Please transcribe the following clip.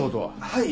はい。